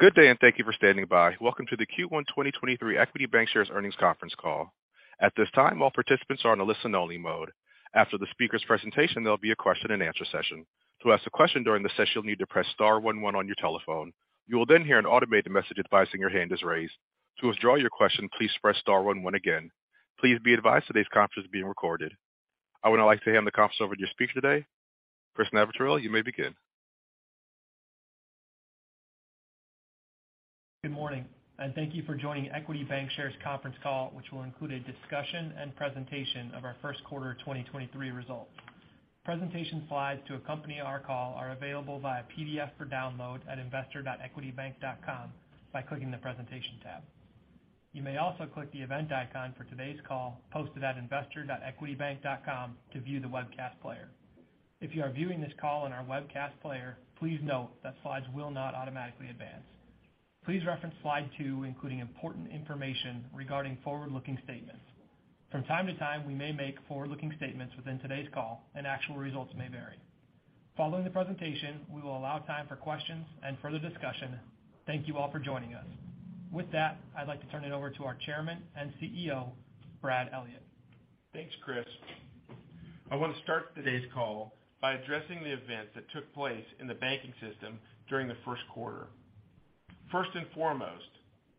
Good day. Thank you for standing by. Welcome to the Q1 2023 Equity Bancshares Earnings Conference Call. At this time, all participants are on a listen only mode. After the speaker's presentation, there'll be a question and answer session. To ask a question during the session, you'll need to press star one-one on your telephone. You will then hear an automated message advising your hand is raised. To withdraw your question, please press star one-one again. Please be advised today's conference is being recorded. I would now like to hand the conference over to your speaker today. Chris Navratil, you may begin. Good morning, and thank you for joining Equity Bancshares conference call, which will include a discussion and presentation of our first quarter 2023 results. Presentation slides to accompany our call are available via PDF for download at investor.equitybank.com by clicking the Presentation tab. You may also click the event icon for today's call posted at investor.equitybank.com to view the webcast player. If you are viewing this call in our webcast player, please note that slides will not automatically advance. Please reference slide 2, including important information regarding forward-looking statements. From time to time, we may make forward-looking statements within today's call, and actual results may vary. Following the presentation, we will allow time for questions and further discussion. Thank you all for joining us. With that, I'd like to turn it over to our Chairman and CEO, Brad Elliott. Thanks, Chris. I want to start today's call by addressing the events that took place in the banking system during the first quarter. First and foremost,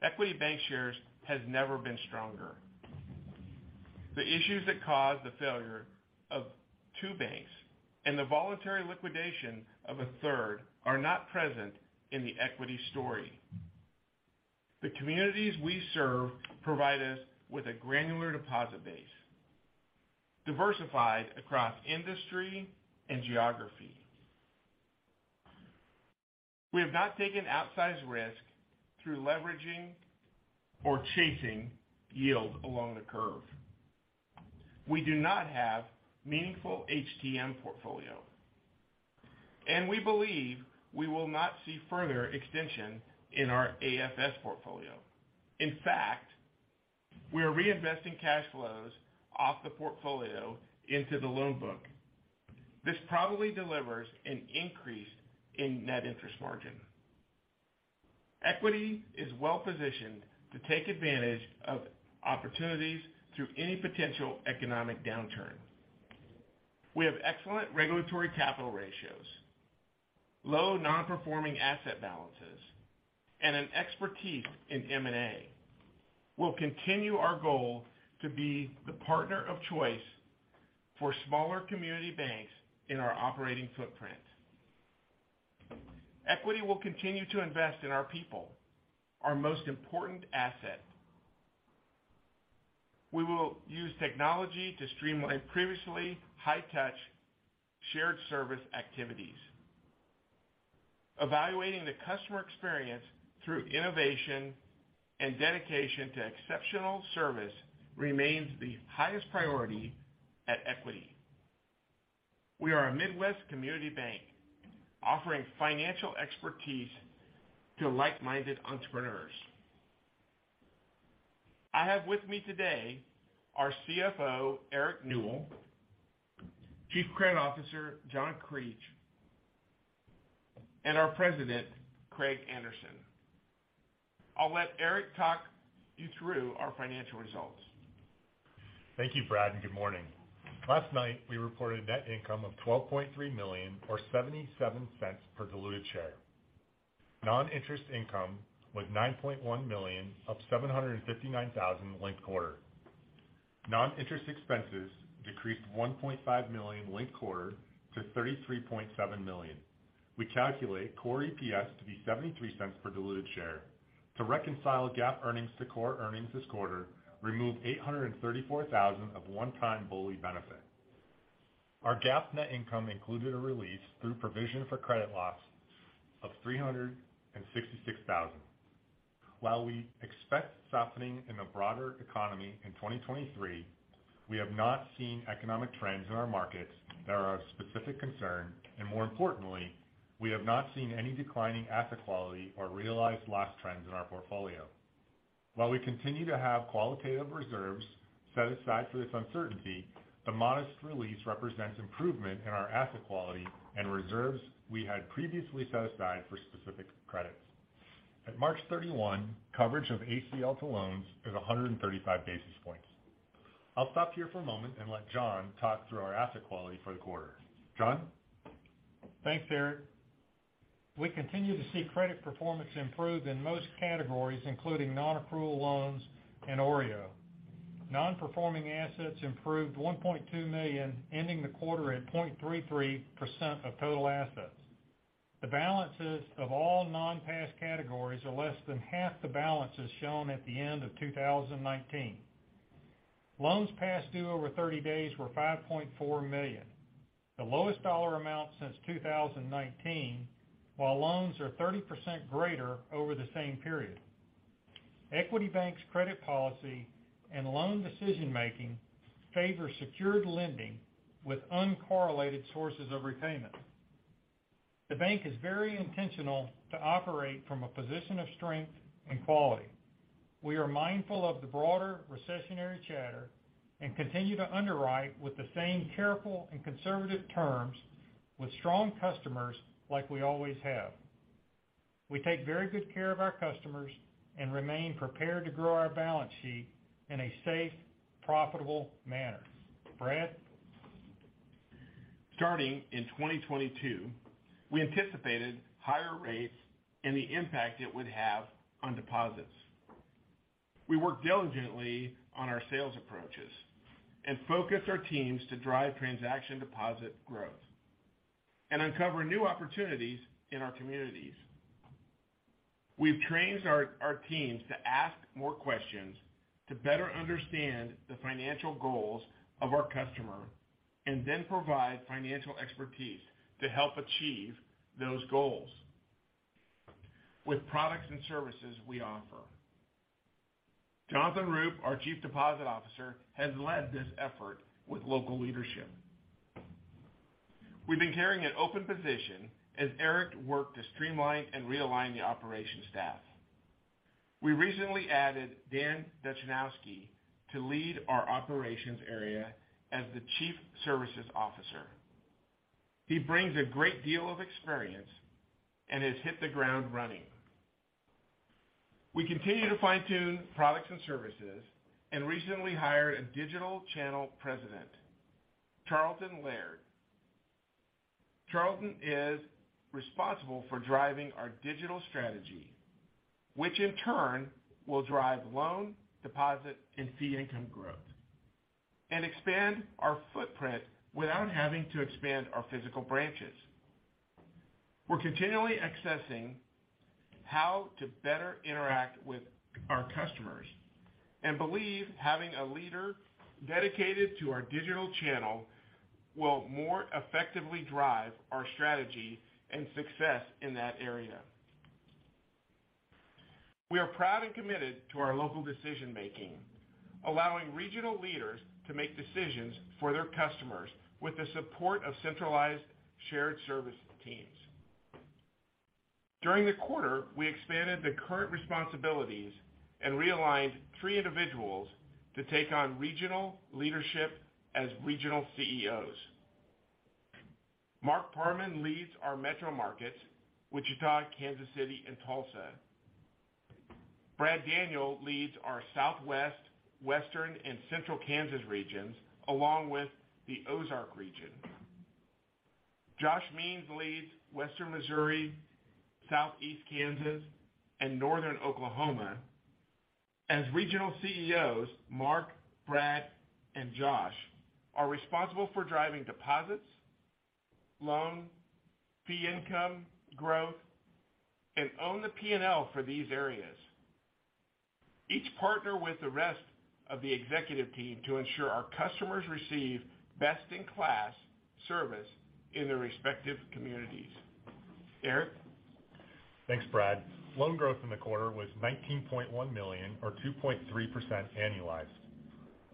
Equity Bancshares has never been stronger. The issues that caused the failure of two banks and the voluntary liquidation of a third are not present in the Equity story. The communities we serve provide us with a granular deposit base, diversified across industry and geography. We have not taken outsized risk through leveraging or chasing yield along the curve. We do not have meaningful HTM portfolio, and we believe we will not see further extension in our AFS portfolio. In fact, we are reinvesting cash flows off the portfolio into the loan book. This probably delivers an increase in net interest margin. Equity is well-positioned to take advantage of opportunities through any potential economic downturn. We have excellent regulatory capital ratios, low non-performing asset balances, and an expertise in M&A. We'll continue our goal to be the partner of choice for smaller community banks in our operating footprint. Equity will continue to invest in our people, our most important asset. We will use technology to streamline previously high-touch shared service activities. Evaluating the customer experience through innovation and dedication to exceptional service remains the highest priority at Equity. We are a Midwest community bank offering financial expertise to like-minded entrepreneurs. I have with me today our CFO, Eric Newell, Chief Credit Officer, John Creech, and our President, Craig Anderson. I'll let Eric talk you through our financial results. Thank you, Brad, and good morning. Last night, we reported net income of $12.3 million or $0.77 per diluted share. Non-interest income was $9.1 million, up $759,000 linked quarter. Non-interest expenses decreased $1.5 million linked quarter to $33.7 million. We calculate core EPS to be $0.73 per diluted share. To reconcile GAAP earnings to core earnings this quarter, remove $834,000 of one-time BOLI benefit. Our GAAP net income included a release through provision for credit loss of $366,000. While we expect softening in the broader economy in 2023, we have not seen economic trends in our markets that are of specific concern, and more importantly, we have not seen any declining asset quality or realized loss trends in our portfolio. While we continue to have qualitative reserves set aside for this uncertainty, the modest release represents improvement in our asset quality and reserves we had previously set aside for specific credits. At March 31, coverage of ACL to loans is 135 basis points. I'll stop here for a moment and let John talk through our asset quality for the quarter. John? Thanks, Eric. We continue to see credit performance improve in most categories, including non-accrual loans and OREO. Non-performing assets improved $1.2 million, ending the quarter at 0.33% of total assets. The balances of all non-past categories are less than half the balances shown at the end of 2019. Loans past due over 30 days were $5.4 million, the lowest dollar amount since 2019, while loans are 30% greater over the same period. Equity Bank's credit policy and loan decision-making favor secured lending with uncorrelated sources of repayment. The bank is very intentional to operate from a position of strength and quality. We are mindful of the broader recessionary chatter and continue to underwrite with the same careful and conservative terms with strong customers like we always have. We take very good care of our customers and remain prepared to grow our balance sheet in a safe, profitable manner. Brad? Starting in 2022, we anticipated higher rates and the impact it would have on deposits. We worked diligently on our sales approaches and focused our teams to drive transaction deposit growth and uncover new opportunities in our communities. We've trained our teams to ask more questions to better understand the financial goals of our customer, and then provide financial expertise to help achieve those goals with products and services we offer. Jonathan Roop, our Chief Deposit Officer, has led this effort with local leadership. We've been carrying an open position as Eric worked to streamline and realign the operation staff. We recently added Dan Duchnowski to lead our operations area as the Chief Services Officer. He brings a great deal of experience and has hit the ground running. We continue to fine-tune products and services and recently hired a digital channel president, Charlton Laird. Charlton is responsible for driving our digital strategy, which in turn will drive loan, deposit, and fee income growth and expand our footprint without having to expand our physical branches. We're continually accessing how to better interact with our customers and believe having a leader dedicated to our digital channel will more effectively drive our strategy and success in that area. We are proud and committed to our local decision-making, allowing regional leaders to make decisions for their customers with the support of centralized shared service teams. During the quarter, we expanded the current responsibilities and realigned three individuals to take on regional leadership as regional CEOs. Mark Parman leads our metro markets, Wichita, Kansas City, and Tulsa. Brad Daniel leads our Southwest, Western, and Central Kansas regions, along with the Ozark region. Josh Means leads Western Missouri, Southeast Kansas, and Northern Oklahoma. As regional CEOs, Mark, Brad, and Josh are responsible for driving deposits, loan, fee income growth, and own the P&L for these areas. Each partner with the rest of the executive team to ensure our customers receive best-in-class service in their respective communities. Eric? Thanks, Brad. Loan growth in the quarter was $19.1 million or 2.3% annualized.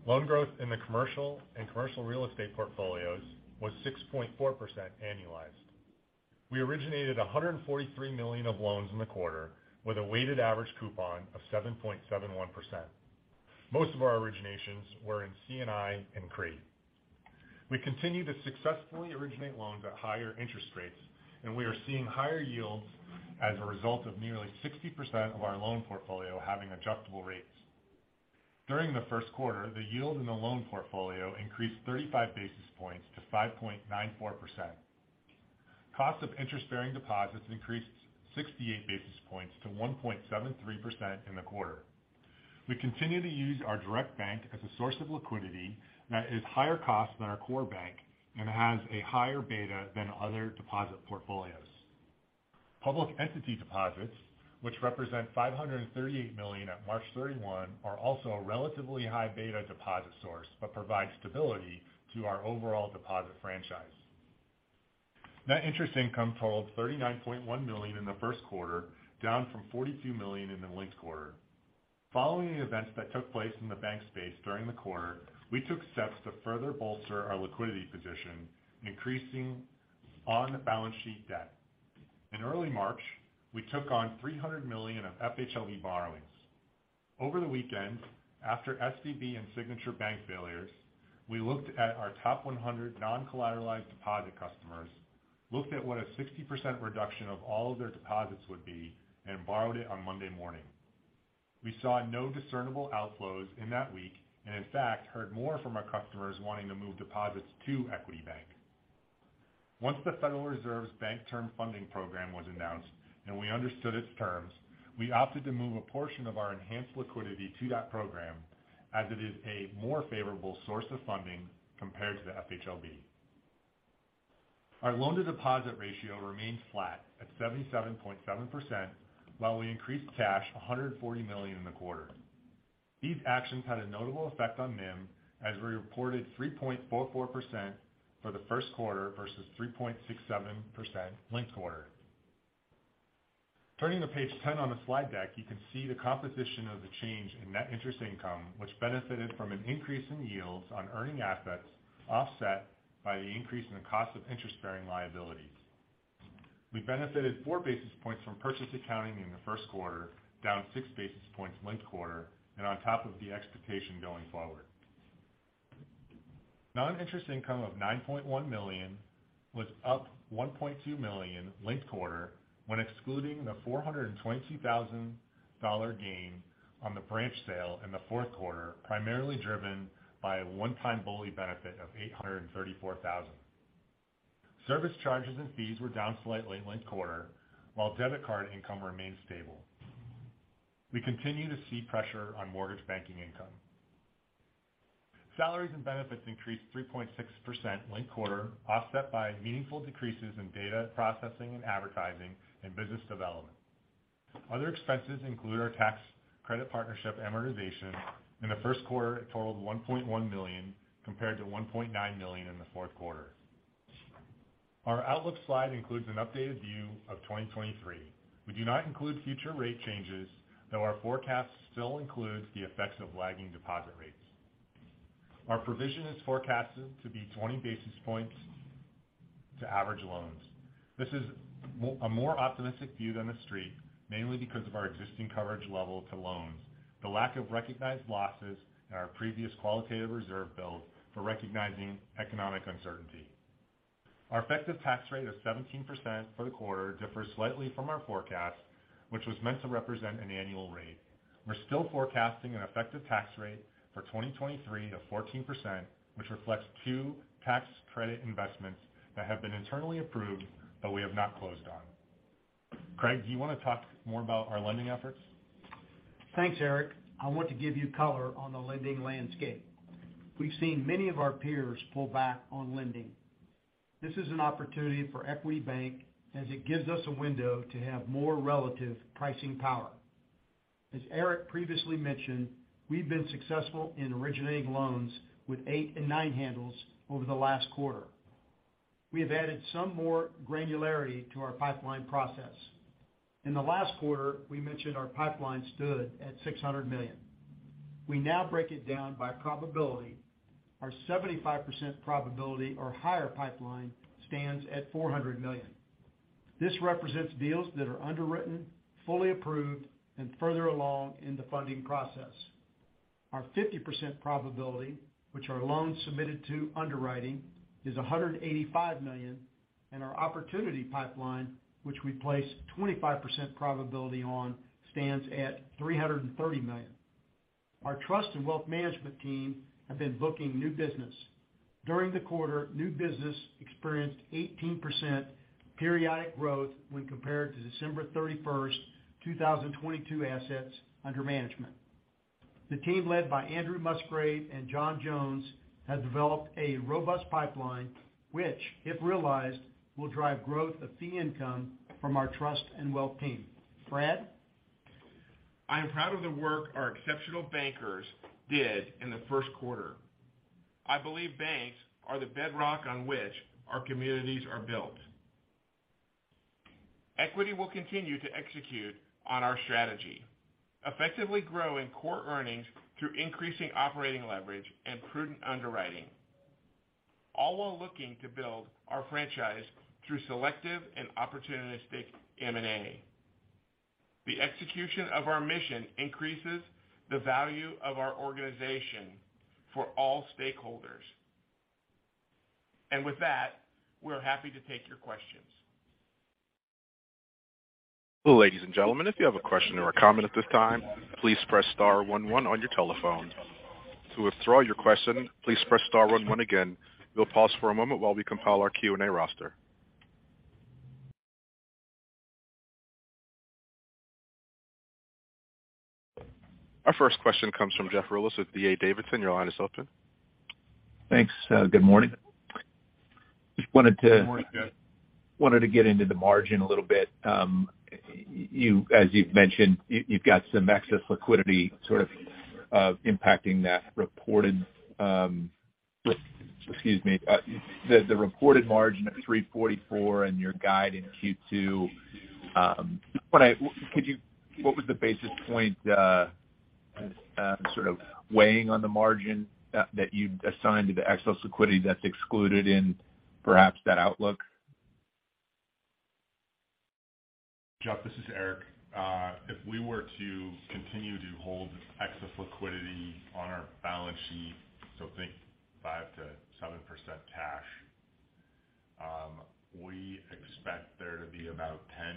Loan growth in the commercial and commercial real estate portfolios was 6.4% annualized. We originated $143 million of loans in the quarter with a weighted average coupon of 7.71%. Most of our originations were in C&I and CRE. We continue to successfully originate loans at higher interest rates, and we are seeing higher yields as a result of nearly 60% of our loan portfolio having adjustable rates. During the first quarter, the yield in the loan portfolio increased 35 basis points to 5.94%. Cost of interest-bearing deposits increased 68 basis points to 1.73% in the quarter. We continue to use our direct bank as a source of liquidity that is higher cost than our core bank and has a higher beta than other deposit portfolios. Public entity deposits, which represent $538 million at March 31, are also a relatively high beta deposit source, but provide stability to our overall deposit franchise. Net interest income totaled $39.1 million in the first quarter, down from $42 million in the linked quarter. Following the events that took place in the bank space during the quarter, we took steps to further bolster our liquidity position, increasing on-balance sheet debt. In early March, we took on $300 million of FHLB borrowings. Over the weekend, after SVB and Signature Bank failures, we looked at our top 100 non-collateralized deposit customers, looked at what a 60% reduction of all of their deposits would be, and borrowed it on Monday morning. We saw no discernible outflows in that week, and in fact, heard more from our customers wanting to move deposits to Equity Bank. Once the Federal Reserve's Bank Term Funding Program was announced and we understood its terms, we opted to move a portion of our enhanced liquidity to that program, as it is a more favorable source of funding compared to the FHLB. Our loan-to-deposit ratio remained flat at 77.7%, while we increased cash $140 million in the quarter. These actions had a notable effect on NIM, as we reported 3.44% for the first quarter versus 3.67% linked quarter. Turning to page 10 on the slide deck, you can see the composition of the change in net interest income, which benefited from an increase in yields on earning assets offset by the increase in the cost of interest-bearing liabilities. We benefited 4 basis points from purchase accounting in the first quarter, down 6 basis points linked quarter and on top of the expectation going forward. Non-interest income of $9.1 million was up $1.2 million linked quarter when excluding the $422,000 gain on the branch sale in the fourth quarter, primarily driven by a one-time BOLI benefit of $834,000. Service charges and fees were down slightly in linked quarter, while debit card income remained stable. We continue to see pressure on mortgage banking income. Salaries and benefits increased 3.6% linked quarter, offset by meaningful decreases in data processing and advertising and business development. Other expenses include our tax credit partnership amortization. In the first quarter, it totaled $1.1 million compared to $1.9 million in the fourth quarter. Our outlook slide includes an updated view of 2023. We do not include future rate changes, though our forecast still includes the effects of lagging deposit rates. Our provision is forecasted to be 20 basis points to average loans. This is a more optimistic view than the street, mainly because of our existing coverage level to loans, the lack of recognized losses and our previous qualitative reserve build for recognizing economic uncertainty. Our effective tax rate of 17% for the quarter differs slightly from our forecast, which was meant to represent an annual rate. We're still forecasting an effective tax rate for 2023 to 14%, which reflects two tax credit investments that have been internally approved, but we have not closed on. Craig, do you wanna talk more about our lending efforts? Thanks, Eric. I want to give you color on the lending landscape. We've seen many of our peers pull back on lending. This is an opportunity for Equity Bank as it gives us a window to have more relative pricing power. As Eric previously mentioned, we've been successful in originating loans with eight and nine handles over the last quarter. We have added some more granularity to our pipeline process. In the last quarter, we mentioned our pipeline stood at $600 million. We now break it down by probability. Our 75% probability or higher pipeline stands at $400 million. This represents deals that are underwritten, fully approved and further along in the funding process. Our 50% probability, which are loans submitted to underwriting, is $185 million, and our opportunity pipeline, which we place 25% probability on, stands at $330 million. Our trust and wealth management team have been booking new business. During the quarter, new business experienced 18% periodic growth when compared to December 31st, 2022 assets under management. The team led by Andrew Musgrave and John Jones have developed a robust pipeline, which, if realized, will drive growth of fee income from our trust and wealth team. Fred? I am proud of the work our exceptional bankers did in the first quarter. I believe banks are the bedrock on which our communities are built. Equity will continue to execute on our strategy, effectively growing core earnings through increasing operating leverage and prudent underwriting, all while looking to build our franchise through selective and opportunistic M&A. The execution of our mission increases the value of our organization for all stakeholders. With that, we're happy to take your questions. Ladies and gentlemen, if you have a question or a comment at this time, please press star one one on your telephone. To withdraw your question, please press star one one again. We'll pause for a moment while we compile our Q&A roster. Our first question comes from Jeff Rulis with D.A. Davidson. Your line is open. Thanks. Good morning. Good morning, Jeff. Wanted to get into the margin a little bit. As you've mentioned, you've got some excess liquidity sort of impacting that reported, excuse me, the reported margin of 3.44% and your guide in Q2. What was the basis point sort of weighing on the margin that you'd assigned to the excess liquidity that's excluded in perhaps that outlook? Jeff, this is Eric. If we were to continue to hold excess liquidity on our balance sheet, think 5%-7% cash, we expect there to be about 10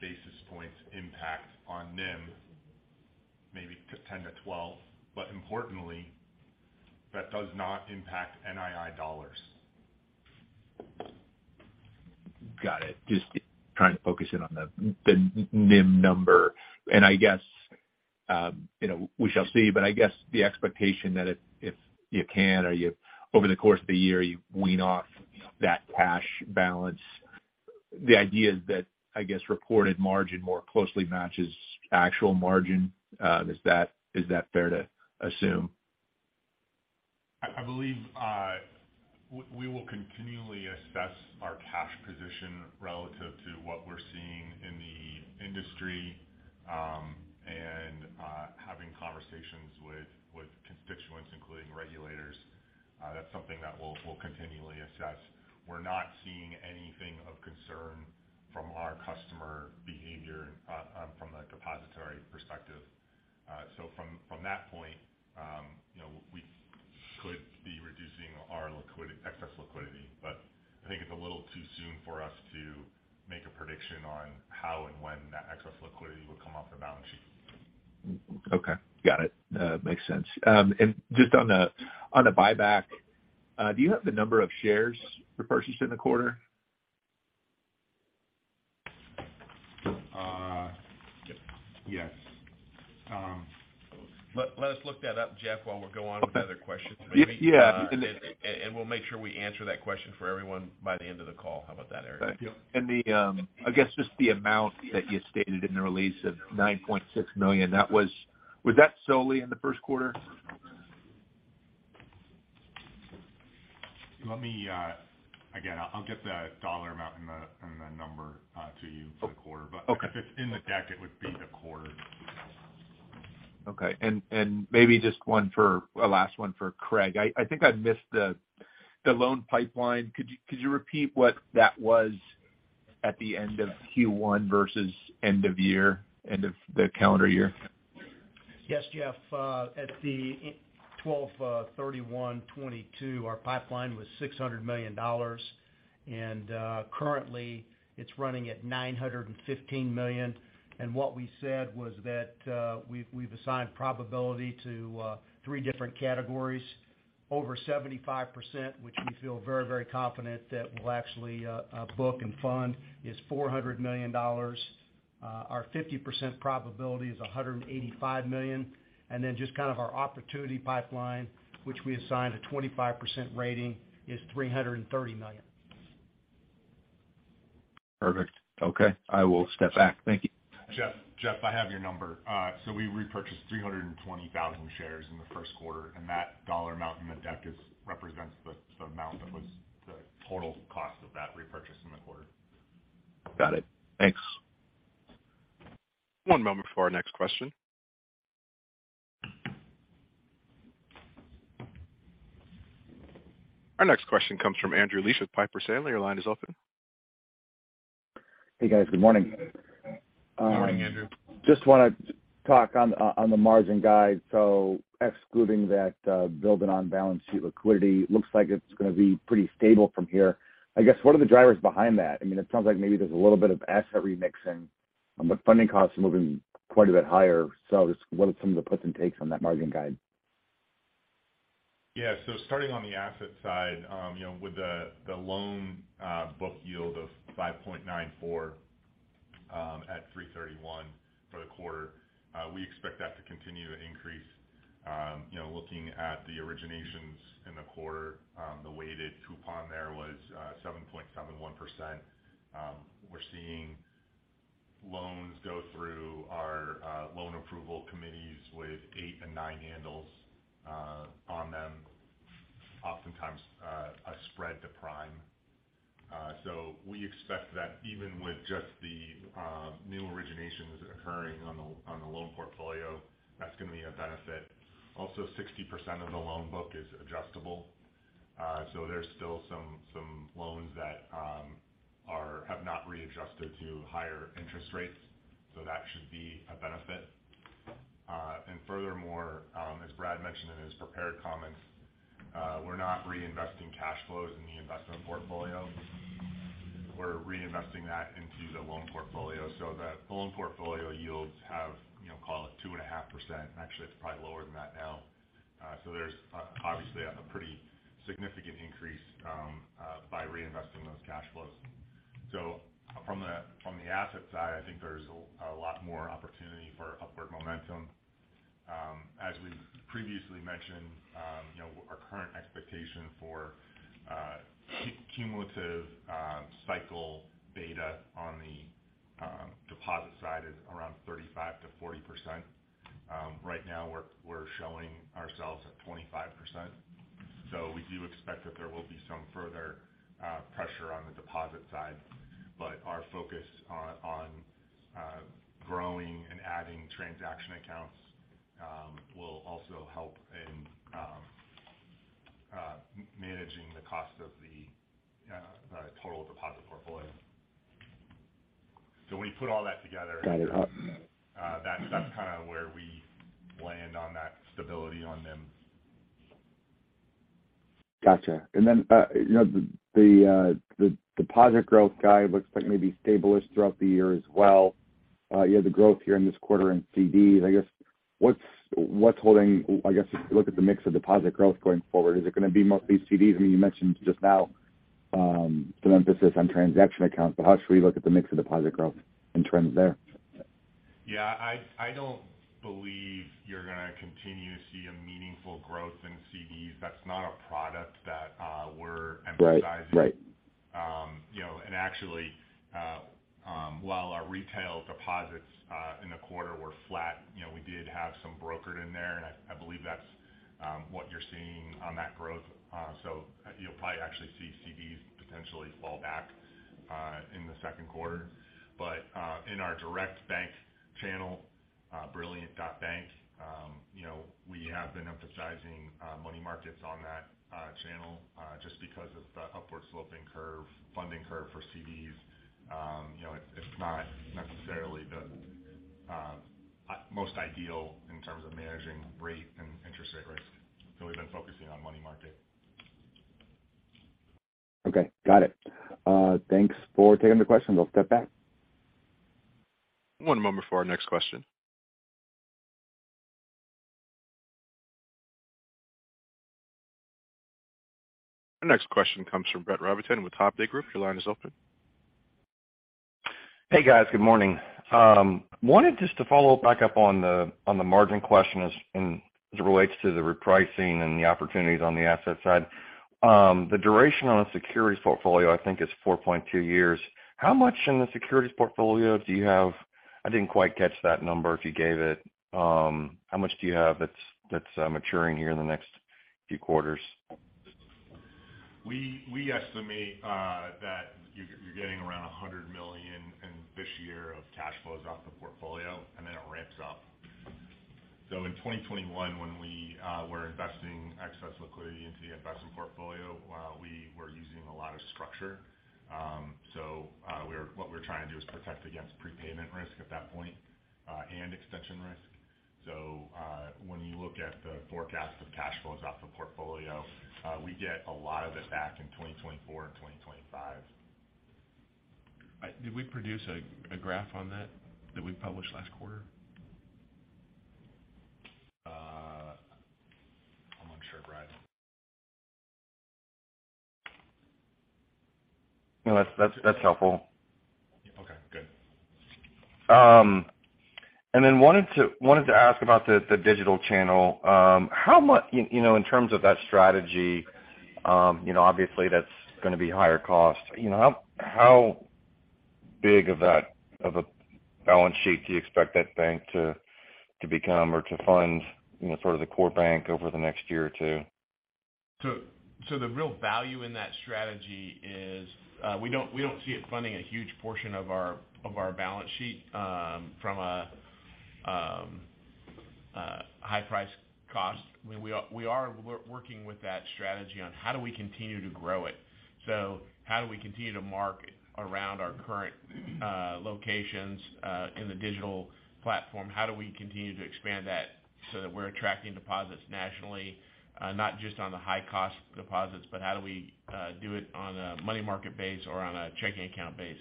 basis points impact on NIM, maybe to 10-12. Importantly, that does not impact NII dollars. Got it. Just trying to focus in on the NIM number. I guess, you know, we shall see, but I guess the expectation that if you can or you, over the course of the year, you wean off that cash balance, the idea is that, I guess, reported margin more closely matches actual margin. Is that, is that fair to assume? I believe we will continually assess our cash position relative to what we're seeing in the industry, and having conversations with constituents, including regulators. That's something that we'll continually assess. We're not seeing anything of concern from our customer behavior from a depository perspective. From that point, you know, we could be reducing our excess liquidity. I think it's a little too soon for us to make a prediction on how and when that excess liquidity will come off the balance sheet. Okay. Got it. Makes sense. Just on the buyback, do you have the number of shares repurchased in the quarter? Yes. Let us look that up, Jeff, while we go on with other questions maybe. Yes. Yeah. We'll make sure we answer that question for everyone by the end of the call. How about that, Eric? Thank you. The, I guess just the amount that you stated in the release of $9.6 million, was that solely in the first quarter? Let me, again, I'll get the dollar amount and the, and the number, to you for the quarter. Okay. If it's in the deck, it would be the quarter. Okay. Maybe just a last one for Craig. I think I missed the loan pipeline. Could you repeat what that was at the end of Q1 versus end of year, end of the calendar year? Yes, Jeff. At the 12/31/2022, our pipeline was $600 million. Currently, it's running at $915 million. What we said was that we've assigned probability to three different categories. Over 75%, which we feel very confident that we'll actually book and fund, is $400 million. Our 50% probability is $185 million. Just kind of our opportunity pipeline, which we assigned a 25% rating, is $330 million. Perfect. Okay. I will step back. Thank you. Jeff, I have your number. We repurchased 320,000 shares in the first quarter, and that dollar amount in the deck represents the amount that was the total cost of that repurchase in the quarter. Got it. Thanks. One moment for our next question. Our next question comes from Andrew Liesch at Piper Sandler. Your line is open. Hey, guys. Good morning. Morning, Andrew. Just want to talk on the margin guide. Excluding that, building on balance sheet liquidity, looks like it's going to be pretty stable from here. I guess, what are the drivers behind that? I mean, it sounds like maybe there's a little bit of asset remixing, but funding costs are moving quite a bit higher. Just what are some of the puts and takes on that margin guide? Yeah. Starting on the asset side, you know, with the loan book yield of 5.94 at 3/31 for the quarter, we expect that to continue to increase. You know, looking at the originations in the quarter, the weighted coupon there was 7.71%. We're seeing loans go through our loan approval committees with 8 and 9 handles on them, oftentimes a spread to prime. We expect that even with just the new originations occurring on the loan portfolio, that's going to be a benefit. Also, 60% of the loan book is adjustable. There's still some loans that have not readjusted to higher interest rates, so that should be a benefit. Furthermore, as Brad mentioned in his prepared comments, we're not reinvesting cash flows in the investment portfolio. We're reinvesting that into the loan portfolio. The loan portfolio yields have, you know, call it 2.5%. Actually, it's probably lower than that now. There's obviously a pretty significant increase by reinvesting those cash flows. From the asset side, I think there's a lot more opportunity for upward momentum. As we previously mentioned, you know, our current expectation for cumulative cycle beta on the deposit side is around 35%-40%. Right now we're showing ourselves at 25%. We do expect that there will be some further pressure on the deposit side. Our focus on growing and adding transaction accounts will also help in managing the cost of the total deposit portfolio. When you put all that together. Got it. That's kind of where we land on that stability on them. Gotcha. Then, you know, the deposit growth guide looks like maybe stable-ish throughout the year as well. You had the growth here in this quarter in CDs. I guess, what's holding? I guess, if you look at the mix of deposit growth going forward, is it going to be mostly CDs? I mean, you mentioned just now, some emphasis on transaction accounts, but how should we look at the mix of deposit growth in trends there? Yeah, I don't believe you're going to continue to see a meaningful growth in CDs. That's not a product that we're emphasizing. Right. Right. You know, actually, while our retail deposits in the quarter were flat, you know, we did have some brokered in there, I believe that's what you're seeing on that growth. You'll probably actually see CDs potentially fall back in the second quarter. In our direct bank channel. Brilliant.Bank. You know, we have been emphasizing money markets on that channel, just because of the upward sloping curve, funding curve for CDs. You know, it's not necessarily the most ideal in terms of managing rate and interest rate risk. We've been focusing on money market. Okay, got it. Thanks for taking the question. I'll step back. One moment for our next question. Our next question comes from Brett Rabatin with Hovde Group. Your line is open. Hey, guys. Good morning. Wanted just to follow back up on the, on the margin question as in, as it relates to the repricing and the opportunities on the asset side. The duration on a securities portfolio, I think, is 4.2 years. How much in the securities portfolio do you have? I didn't quite catch that number if you gave it. How much do you have that's maturing here in the next few quarters? We estimate that you're getting around $100 million in this year of cash flows off the portfolio and then it ramps up. In 2021, when we were investing excess liquidity into the investment portfolio, we were using a lot of structure. What we're trying to do is protect against prepayment risk at that point and extension risk. When you look at the forecast of cash flows off the portfolio, we get a lot of it back in 2024 and 2025. Did we produce a graph on that we published last quarter? I'm not sure, Brett. No, that's helpful. Okay, good. Wanted to ask about the digital channel. You know, in terms of that strategy, you know, obviously, that's gonna be higher cost. You know, how big of that, of a balance sheet do you expect that bank to become or to fund, you know, sort of the core bank over the next year or two? The real value in that strategy is, we don't see it funding a huge portion of our balance sheet, from a high price cost. I mean, we are working with that strategy on how do we continue to grow it. How do we continue to market around our current locations, in the digital platform? How do we continue to expand that so that we're attracting deposits nationally, not just on the high-cost deposits, but how do we do it on a money market base or on a checking account base?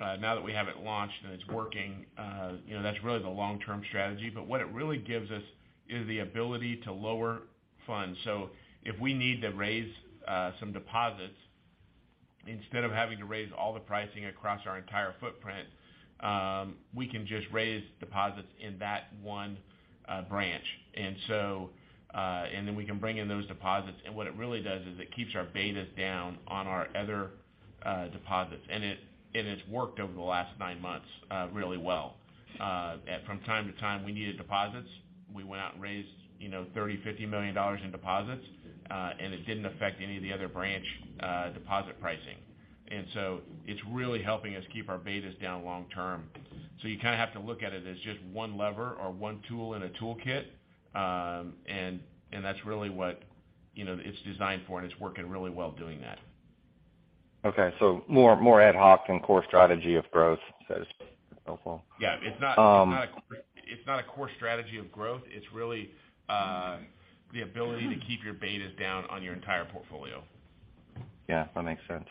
Now that we have it launched and it's working, you know, that's really the long-term strategy. What it really gives us is the ability to lower funds. If we need to raise, some deposits, instead of having to raise all the pricing across our entire footprint, we can just raise deposits in that one, branch. Then we can bring in those deposits. What it really does is it keeps our betas down on our other, deposits. It's worked over the last nine months, really well. From time to time, we needed deposits. We went out and raised, you know, $30 million-$50 million in deposits, and it didn't affect any of the other branch, deposit pricing. It's really helping us keep our betas down long term. You kind of have to look at it as just one lever or one tool in a toolkit. that's really what, you know, it's designed for, and it's working really well doing that. Okay, more ad hoc than core strategy of growth. That's helpful. Yeah, it's not a core strategy of growth. It's really the ability to keep your betas down on your entire portfolio. Yeah, that makes sense.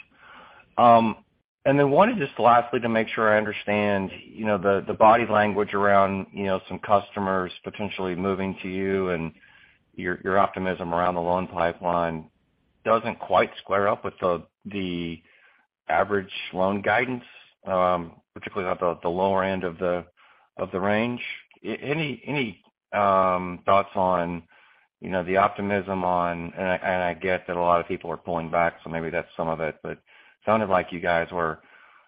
And then wanted just lastly to make sure I understand, you know, the body language around, you know, some customers potentially moving to you and your optimism around the loan pipeline doesn't quite square up with the average loan guidance, particularly at the lower end of the, of the range. Any thoughts on, you know, the optimism and I get that a lot of people are pulling back, so maybe that's some of it. But sounded like you guys were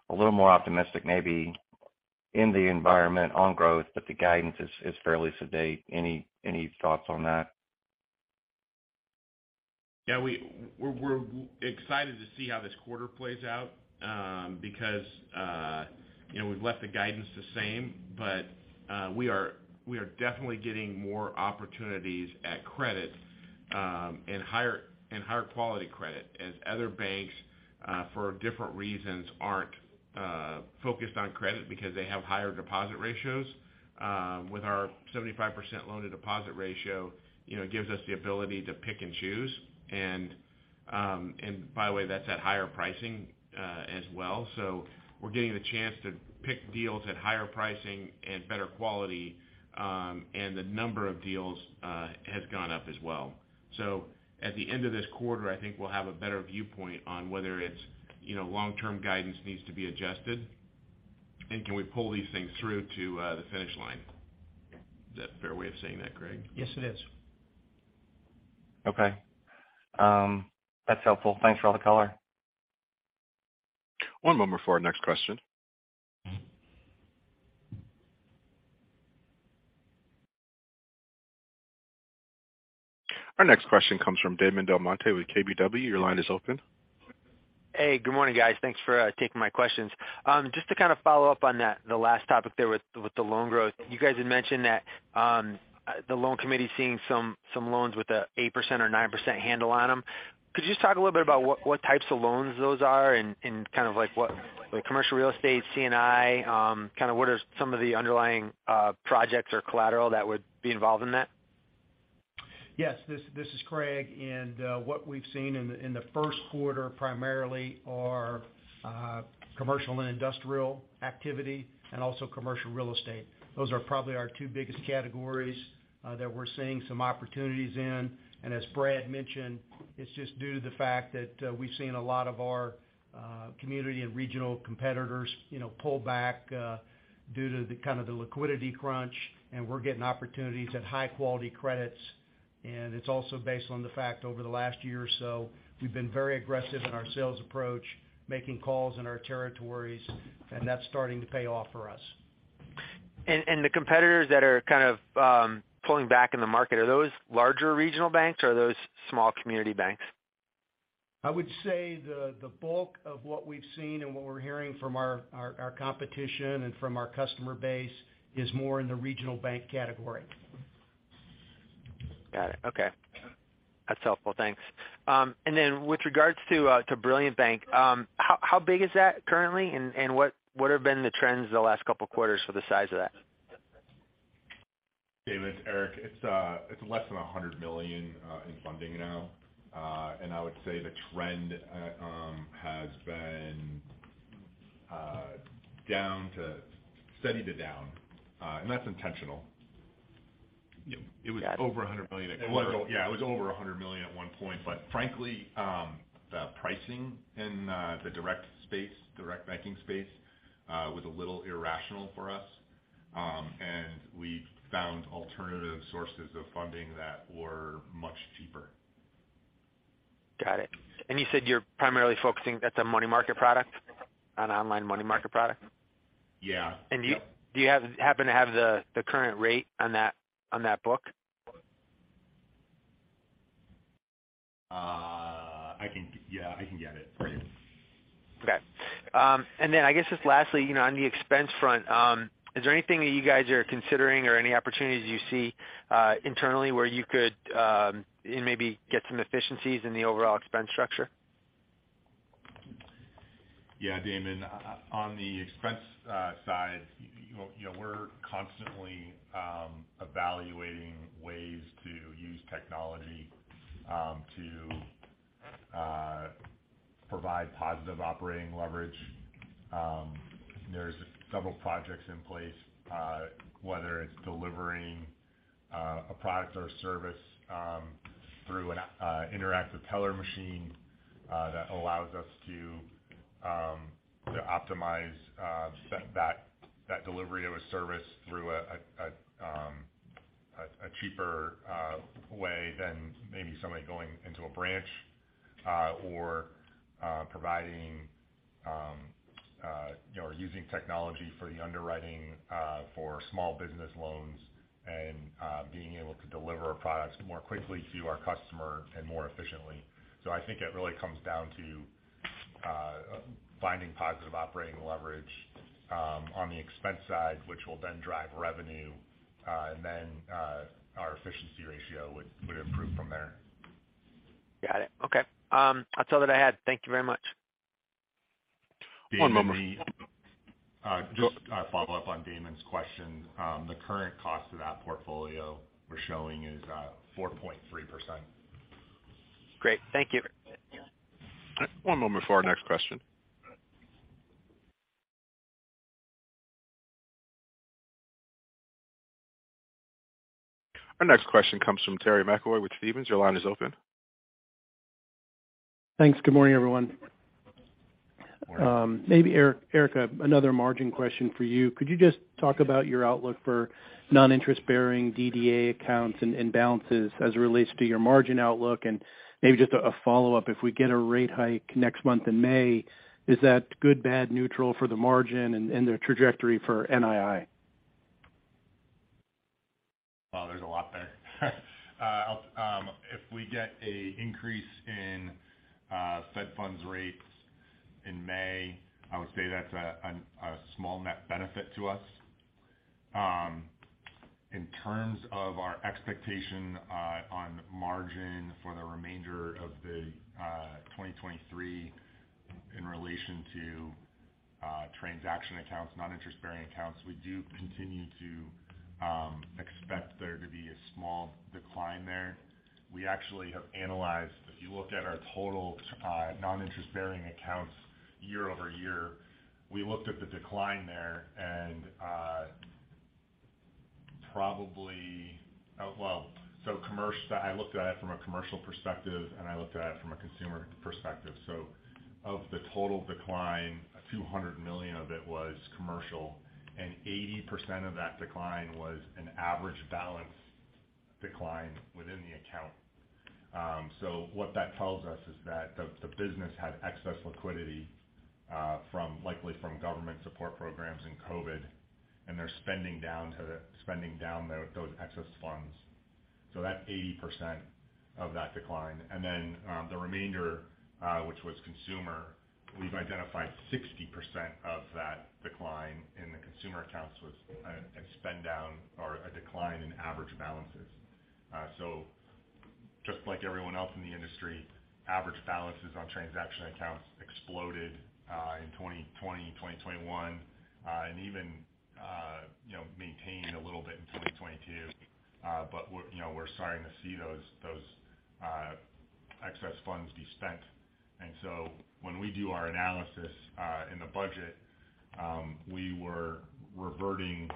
a little more optimistic, maybe in the environment on growth, but the guidance is fairly sedate. Any thoughts on that? Yeah, we're excited to see how this quarter plays out, because, you know, we've left the guidance the same, but we are definitely getting more opportunities at credit, and higher quality credit as other banks, for different reasons, aren't focused on credit because they have higher deposit ratios. With our 75% loan to deposit ratio, you know, it gives us the ability to pick and choose. By the way, that's at higher pricing as well. We're getting the chance to pick deals at higher pricing and better quality. The number of deals has gone up as well. At the end of this quarter, I think we'll have a better viewpoint on whether it's, you know, long-term guidance needs to be adjusted, and can we pull these things through to the finish line. Is that a fair way of saying that, Greg? Yes, it is. Okay. That's helpful. Thanks for all the color. One moment for our next question. Our next question comes from Damon DelMonte with KBW. Your line is open. Hey, good morning, guys. Thanks for taking my questions. Just to kind of follow up on that, the last topic there with the loan growth. You guys had mentioned that the loan committee is seeing some loans with a 8% or 9% handle on them. Could you just talk a little bit about what types of loans those are and kind of like what commercial real estate C&I, kind of what are some of the underlying projects or collateral that would be involved in that? Yes. This is Craig. What we've seen in the first quarter primarily are commercial and industrial activity and also commercial real estate. Those are probably our two biggest categories that we're seeing some opportunities in. As Brad mentioned, it's just due to the fact that we've seen a lot of our community and regional competitors, you know, pull back due to the kind of the liquidity crunch. We're getting opportunities at high quality credits. It's also based on the fact over the last year or so, we've been very aggressive in our sales approach, making calls in our territories, that's starting to pay off for us. The competitors that are kind of, pulling back in the market, are those larger regional banks, or are those small community banks? I would say the bulk of what we've seen and what we're hearing from our competition and from our customer base is more in the regional bank category. Got it. Okay. That's helpful. Thanks. With regards to Brilliant Bank, how big is that currently? What have been the trends the last couple of quarters for the size of that? Damon, it's Eric. It's less than $100 million in funding now. I would say the trend has been steady to down. That's intentional. Got it. It was over $100 million. Over- Yeah, it was over $100 million at one point. Frankly, the pricing in the direct space, direct banking space, was a little irrational for us. We found alternative sources of funding that were much cheaper. Got it. You said you're primarily focusing, that's a money market product? An online money market product. Yeah. Do you happen to have the current rate on that book? Yeah, I can get it for you. Okay. I guess just lastly, you know, on the expense front, is there anything that you guys are considering or any opportunities you see, internally where you could, maybe get some efficiencies in the overall expense structure? Yeah, Damon. On the expense side, you know, we're constantly evaluating ways to use technology to provide positive operating leverage. There's several projects in place, whether it's delivering a product or service through an interactive teller machine that allows us to optimize that delivery of a service through a cheaper way than maybe somebody going into a branch. Or providing or using technology for the underwriting for small business loans and being able to deliver products more quickly to our customer and more efficiently. I think it really comes down to finding positive operating leverage on the expense side, which will then drive revenue, and then our efficiency ratio would improve from there. Got it. Okay. That's all that I had. Thank you very much. One moment. Damon, me. Just a follow-up on Damon's question. The current cost of that portfolio we're showing is 4.3%. Great. Thank you. One moment for our next question. Our next question comes from Terry McEvoy with Stephens. Your line is open. Thanks. Good morning, everyone. Morning. Maybe Eric, another margin question for you. Could you just talk about your outlook for non-interest-bearing DDA accounts and balances as it relates to your margin outlook? Maybe just a follow-up. If we get a rate hike next month in May, is that good, bad, neutral for the margin and the trajectory for NII? Well, there's a lot there. If we get an increase in Fed funds rates in May, I would say that's a small net benefit to us. In terms of our expectation on margin for the remainder of 2023 in relation to transaction accounts, non-interest-bearing accounts, we do continue to expect there to be a small decline there. We actually have analyzed. If you look at our total non-interest-bearing accounts year-over-year, we looked at the decline there. Well, I looked at it from a commercial perspective, and I looked at it from a consumer perspective. Of the total decline, $a few hundred million of it was commercial, and 80% of that decline was an average balance decline within the account. What that tells us is that the business had excess liquidity, likely from government support programs in COVID. They're spending down those excess funds. That's 80% of that decline. The remainder, which was consumer, we've identified 60% of that decline in the consumer accounts was a spend down or a decline in average balances. Just like everyone else in the industry, average balances on transaction accounts exploded in 2020, 2021. Even, you know, maintained a little bit in 2022. We're, you know, starting to see those excess funds be spent. When we do our analysis in the budget, we were reverting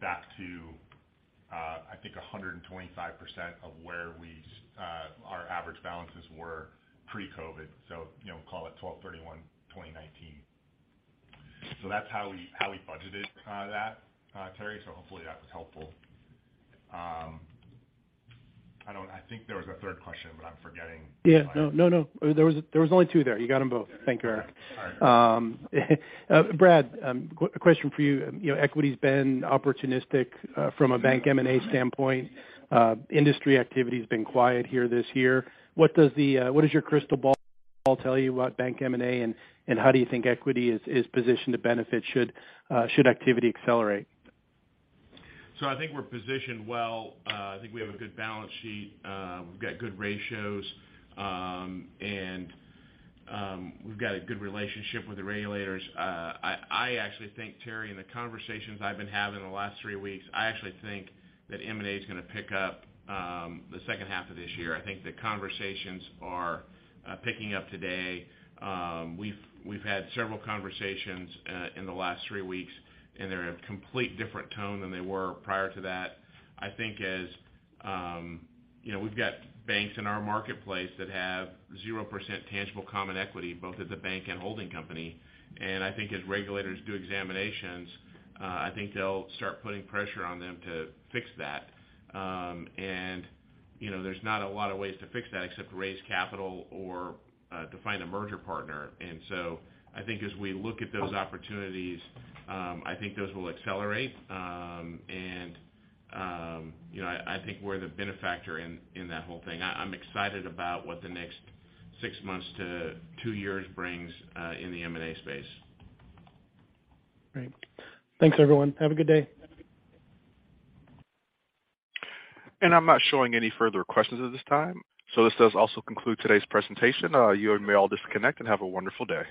back to, I think 125% of where we our average balances were pre-COVID. You know, call it 12/31/2019. That's how we budgeted that, Terry. Hopefully that was helpful. I think there was a third question, but I'm forgetting. Yeah. No, no. There was only two there. You got them both. Thank you, Eric. All right. Brad, a question for you. You know, Equity's been opportunistic from a bank M&A standpoint. Industry activity's been quiet here this year. What does your crystal ball tell you about bank M&A, and how do you think Equity is positioned to benefit should activity accelerate? I think we're positioned well. I think we have a good balance sheet. We've got good ratios. We've got a good relationship with the regulators. I actually think, Terry, in the conversations I've been having in the last 3 weeks, I actually think that M&A is gonna pick up the second half of this year. I think the conversations are picking up today. We've had several conversations in the last 3 weeks, and they're a complete different tone than they were prior to that. I think as, you know, we've got banks in our marketplace that have 0% tangible common equity, both at the bank and holding company. I think as regulators do examinations, I think they'll start putting pressure on them to fix that. You know, there's not a lot of ways to fix that except raise capital or to find a merger partner. I think as we look at those opportunities, I think those will accelerate. You know, I think we're the benefactor in that whole thing. I'm excited about what the next six months to two years brings in the M&A space. Great. Thanks, everyone. Have a good day. I'm not showing any further questions at this time. This does also conclude today's presentation. You may all disconnect and have a wonderful day.